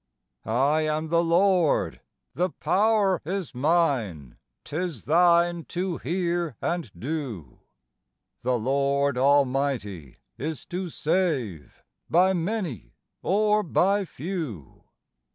"I am the Lord; the power is mine; 'tis thine to hear and do; The Lord almighty is to save, by many or by few."